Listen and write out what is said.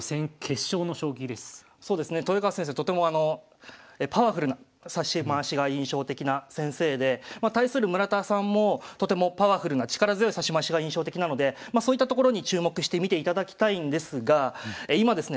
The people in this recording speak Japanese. とてもパワフルな指し回しが印象的な先生で対する村田さんもとてもパワフルな力強い指し回しが印象的なのでそういったところに注目して見ていただきたいんですが今ですね